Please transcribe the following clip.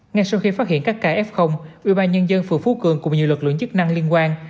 ngay sau khi phát hiện các ca f ủy ban nhân dân phường phú cường cùng nhiều lực lượng chức năng liên quan